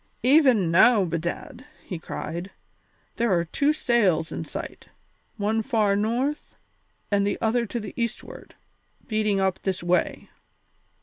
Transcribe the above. "Even now, bedad," he cried, "there are two sails in sight one far north, and the other to the eastward, beating up this way.